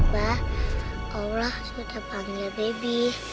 bah kaulah sudah panggil baby